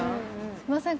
すいません